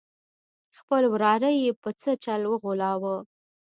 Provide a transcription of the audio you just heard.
خپل وراره یې په څه چل وغولاوه.